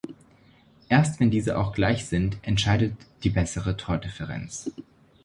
Erst wenn diese auch gleich sind, entscheidet die bessere Tordifferenz.